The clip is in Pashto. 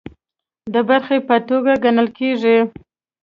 د برخې په توګه ګڼل کیږي